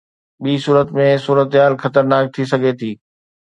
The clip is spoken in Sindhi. ٻي صورت ۾ صورتحال خطرناڪ ٿي سگهي ٿي.